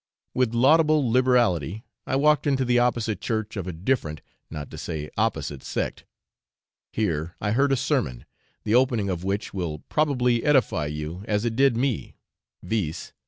With laudable liberality I walked into the opposite church of a different, not to say opposite sect: here I heard a sermon, the opening of which will, probably, edify you as it did me, viz.